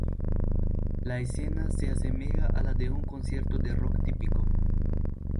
La escena se asemeja a la de un concierto de rock típico.